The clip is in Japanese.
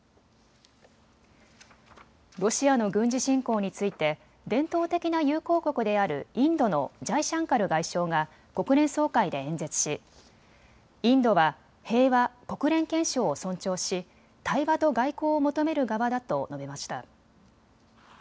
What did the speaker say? ロシアの軍事侵攻について伝統的な友好国であるインドのジャイシャンカル外相が国連総会で演説し、インドは平和、国連憲章を尊重し対話と外交を求める側だと述べました。